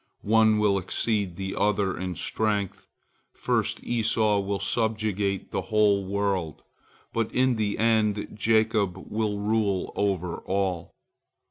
One will exceed the other in strength. First Esau will subjugate the whole world, but in the end Jacob will rule over all.